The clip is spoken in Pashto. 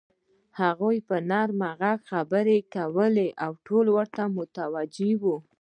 هغه په نرم غږ خبرې کولې او ټول ورته متوجه وو.